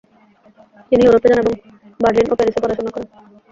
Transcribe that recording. তিনি ইউরোপে যান এবং বার্লিন ও প্যারিসে পড়াশুনা করেন।